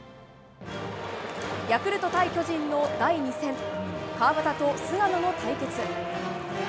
ヤクルト対巨人の第２戦川端と菅野の対決。